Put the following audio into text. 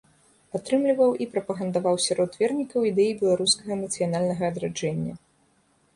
Падтрымліваў і прапагандаваў сярод вернікаў ідэі беларускага нацыянальнага адраджэння.